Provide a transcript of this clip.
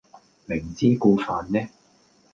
明知故犯呢？